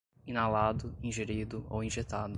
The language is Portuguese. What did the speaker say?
inalado, ingerido ou injetado